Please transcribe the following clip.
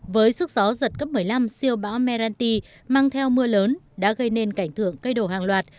với sức gió giật cấp một mươi năm siêu bão meranti mang theo mưa lớn đã gây nên cảnh thưởng cây đồ hàng loạt